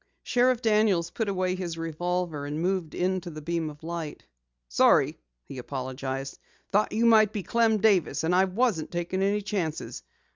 Sheriff Daniels put away his revolver and moved into the beam of light. "Sorry," he apologized. "Thought you might be Clem Davis, and I wasn't taking any chances.